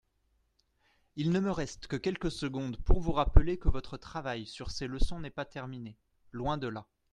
Il ne me reste que quelques secondes pour vous rappeler que votre travail sur ces leçons n’est pas terminé, loin de là.